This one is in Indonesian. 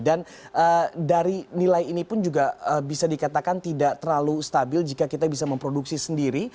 dan dari nilai ini pun juga bisa dikatakan tidak terlalu stabil jika kita bisa memproduksi sendiri